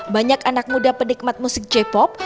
banyak anak muda penikmat musik j pop